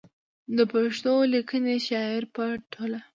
د پښتو ليکنۍ شاعرۍ په ټول